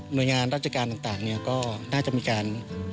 หน่วยงานราชการต่างนี้ก็น่าจะมีการ